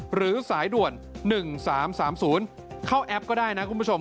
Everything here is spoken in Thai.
หรือสายด่วน๑๓๓๐เข้าแอปก็ได้นะคุณผู้ชม